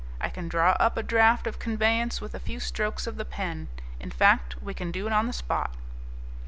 I can draw up a draft of conveyance with a few strokes of the pen. In fact, we can do it on the spot."